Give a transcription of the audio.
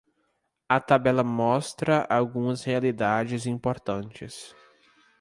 A tabela mostra algumas realidades importantes.